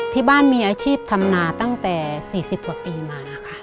ที่บ้านมีอาชีพทำนาตั้งแต่๔๐กว่าปีมาค่ะ